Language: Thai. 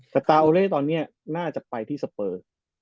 สตาร์โอเล่ตอนเนี่ยน่าจะไปที่สเปอร์